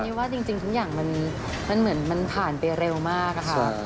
นี่ว่าจริงทุกอย่างมันเหมือนมันผ่านไปเร็วมากอะค่ะ